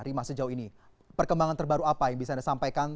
rima sejauh ini perkembangan terbaru apa yang bisa anda sampaikan